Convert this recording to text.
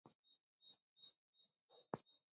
Ɨ́ɣèè wā ɨ́ í tʃégə́.